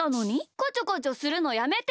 こちょこちょするのやめてよ！